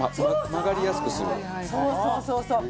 そうそうそうそう！